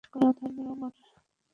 শুধু বিশ্বাস করা ধর্মের অঙ্গ নয়।